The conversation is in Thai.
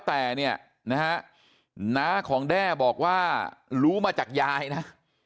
แต่น้าของแด้บอกว่ารู้มาจากยายนะ